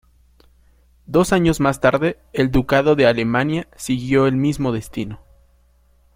Dos años más tarde el ducado de Alemania siguió el mismo destino.